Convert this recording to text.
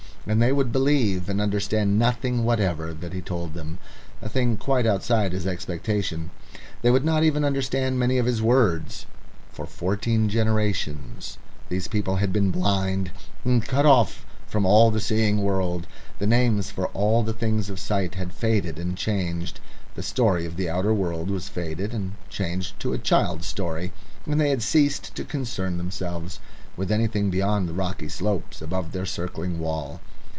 And they would believe and understand nothing whatever he told them, a thing quite outside his expectation. They would not even understand many of his words. For fourteen generations these people had been blind and cut off from all the seeing world; the names for all the things of sight had faded and changed; the story of the outer world was faded and changed to a child's story; and they had ceased to concern themselves with anything beyond the rocky slopes above their circling wall.